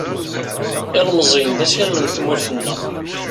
Ilmeẓyen d assirem n tmurt-nneɣ.